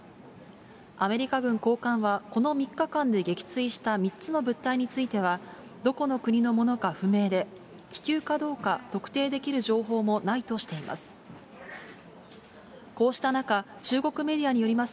アメリカ軍高官は、この３日間で撃墜した３つの物体については、どこの国のものか不明で、気球かどうか特定できる情報もないとしています。